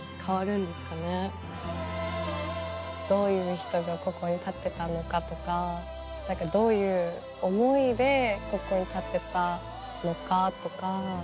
どういう人がここに建てたのかとかどういう思いでここに建てたのかとか。